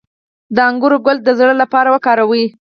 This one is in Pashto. د انګور ګل د زړه لپاره وکاروئ